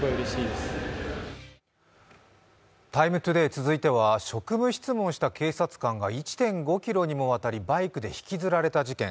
「ＴＩＭＥ，ＴＯＤＡＹ」続いては、職務質問した警察官が１．５ｋｍにもわたりバイクで引きずられた事件。